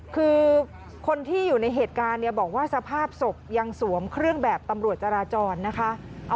คือคนที่อยู่ในเหตุการณ์เนี่ยบอกว่าสภาพศพยังสวมเครื่องแบบตำรวจจราจรนะคะ